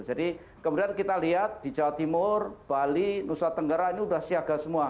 jadi kemudian kita lihat di jawa timur bali nusa tenggara ini sudah siaga semua